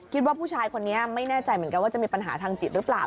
คิดว่าผู้ชายคนนี้ไม่แน่ใจเหมือนกันว่าจะมีปัญหาทางจิตหรือเปล่า